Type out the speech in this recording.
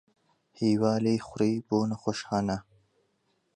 ھیوا لێی خوڕی بۆ نەخۆشخانە.